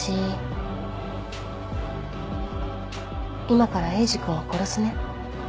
今からエイジ君を殺すね